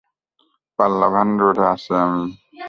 পাল্লাভান রোডে আছি আমি।